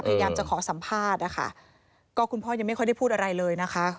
พยายามจะขอสัมภาษณ์นะคะก็คุณพ่อยังไม่ค่อยได้พูดอะไรเลยนะคะ